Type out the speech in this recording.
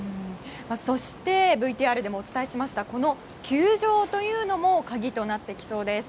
そして、ＶＴＲでもお伝えしましたこの球場というのも鍵となってきそうです。